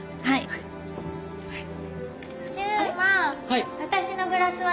はい。